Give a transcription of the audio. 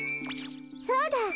そうだ！